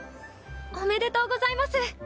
おめでとうございます。